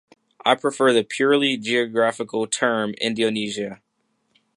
I prefer the purely geographical term Indonesia.